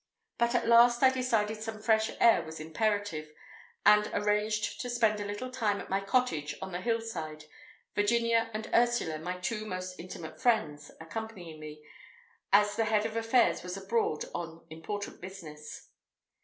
But at last I decided some fresh air was imperative, and arranged to spend a little time at my cottage on the hillside, Virginia and Ursula, my two most intimate friends, accompanying me, as the Head of Affairs was abroad on important business.